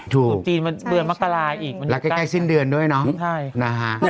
จุดจีนมันเดือนมกราอีกแล้วใกล้สิ้นเดือนด้วยเนาะ